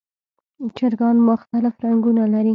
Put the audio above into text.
چرګان مختلف رنګونه لري.